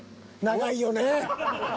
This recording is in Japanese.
長いよね。